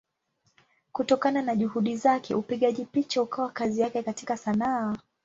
Kutokana na Juhudi zake upigaji picha ukawa kazi yake katika Sanaa.